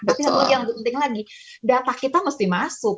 tapi satu yang lebih penting lagi data kita mesti masuk